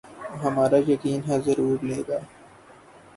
ہمارا یقین ہے ضرور لیگا